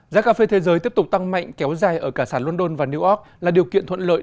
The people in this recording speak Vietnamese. giá cà phê thế giới tiếp tục tăng mạnh kéo dài ở cả sản london và new york là điều kiện thuận lợi